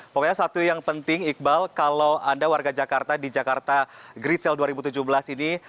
pokoknya satu yang penting iqbal kalau anda warga jakarta di jakarta great sale dua ribu tujuh belas ini